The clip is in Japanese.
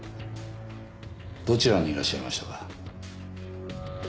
どちらにいらっしゃいましたか？